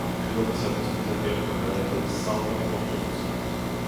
მშვიდობისათვის, ბიზანტიელებმა გადაიხადეს საომარი კონტრიბუცია.